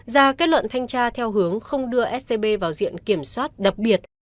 ra kết luận thanh tra theo hướng không đưa scb vào diện kiểm soát đặc biệt